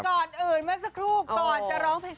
แต่ก่อนอื่นเมื่อสักครู่ก่อนจะร้อง